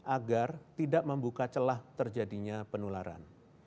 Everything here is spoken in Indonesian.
agar tidak membuka celah terjadinya penularan